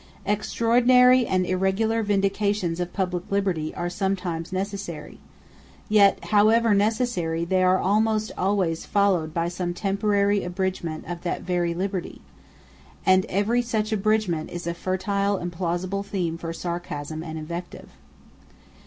Extraordinary and irregular vindications of public liberty are sometimes necessary: yet, however necessary, they are almost always followed by some temporary abridgments of that very liberty; and every such abridgment is a fertile and plausible theme for sarcasm and invective.